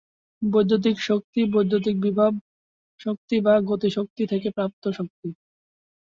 বৈদ্যুতিক শক্তি বৈদ্যুতিক বিভব শক্তি বা গতিশক্তি থেকে প্রাপ্ত শক্তি।